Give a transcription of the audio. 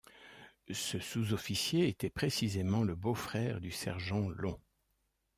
Ce sous-officier était précisément le beau-frère du sergent Long